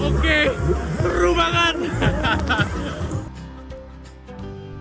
oke seru banget